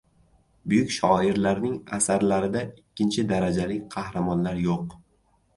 Buyuk shoirlarning asarlarida ikkinchi darajali qahramonlar yo‘q.